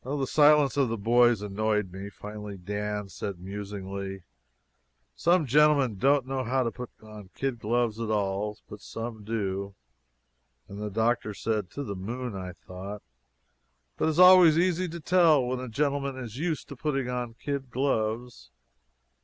The silence of the boys annoyed me. Finally Dan said musingly: "Some gentlemen don't know how to put on kid gloves at all, but some do." And the doctor said (to the moon, I thought): "But it is always easy to tell when a gentleman is used to putting on kid gloves."